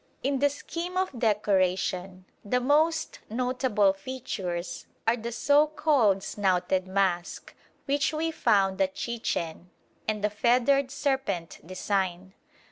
In the scheme of decoration, the most notable features are the so called snouted mask, which we found at Chichen, and the feathered serpent design.